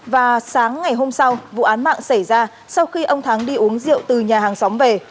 và sáng ngày hôm sau vụ án mạng xảy ra sau khi ông thắng đi uống rượu từ nhà hàng xóm về